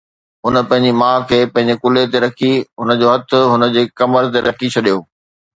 هن پنهنجي ماءُ کي پنهنجي ڪلهي تي رکي، هن جو هٿ هن جي کمر تي رکي ڇڏيو